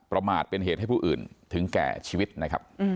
เราไม่ยุ่งเรื่องของพี่เลย